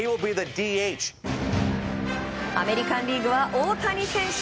アメリカン・リーグは大谷選手！